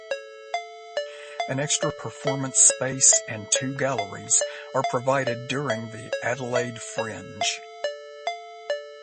An extra performance space and two galleries are provided during the Adelaide Fringe.